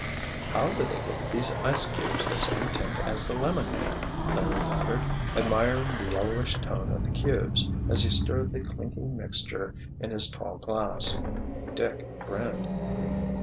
"How do they get these ice cubes the same tint as the lemonade?" Larry wondered, admiring the yellowish tone of the cubes, as he stirred the clinking mixture in his tall glass. Dick grinned.